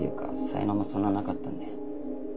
才能もそんなになかったんで。